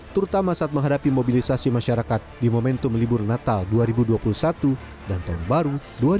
terutama saat menghadapi mobilisasi masyarakat di momentum libur natal dua ribu dua puluh satu dan tahun baru dua ribu dua puluh